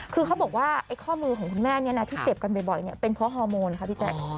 คือเขาบอกว่าไอ้ข้อมือของคุณแม่ที่เจ็บกันบ่อยเป็นเพราะฮอร์โมนค่ะพี่แจ๊ค